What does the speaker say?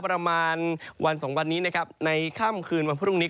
ประมาณวัน๒วันนี้ในค่ำคืนวันพรุ่งนี้